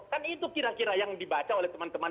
kan itu kira kira yang dibaca oleh teman teman